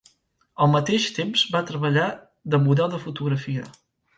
Al mateix temps va treballar de model de fotografia.